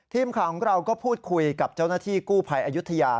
ทีมข่าวของเราก็พูดคุยกับเจ้าหน้าที่กู้ภัยอายุทยา